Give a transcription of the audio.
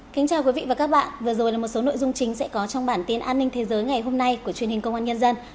kính chào quý vị và các bạn vừa rồi là một số nội dung chính sẽ có trong bản tin an ninh thế giới ngày hôm nay của truyền hình công an nhân dân